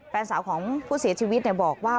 แฟนสาวของผู้เสียชีวิตบอกว่า